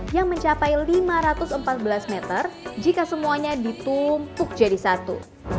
yang mencapai lima ratus empat belas meter jika semuanya ditumpuk jadi satu